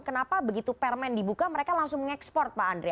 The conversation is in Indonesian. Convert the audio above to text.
kenapa begitu permen dibuka mereka langsung mengekspor pak andre